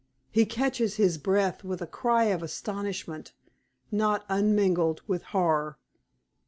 He catches his breath with a cry of astonishment not unmingled with horror.